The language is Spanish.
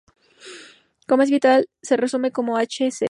Como es habitual, se resumen como "h.c.